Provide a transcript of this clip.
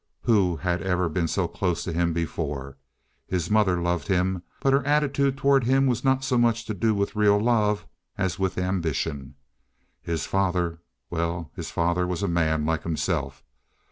Who had ever been so close to him before? His mother loved him, but her attitude toward him had not so much to do with real love as with ambition. His father—well, his father was a man, like himself.